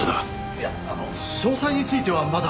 いや詳細についてはまだ。